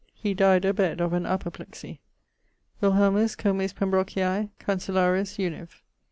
He dyed a bed of an apoplexie. Wilhelmus, comes Pembrochiae, Cancellarius Univ.